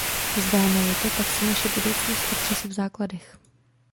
Vzdáme-li to, pak se naše budoucnost otřese v základech.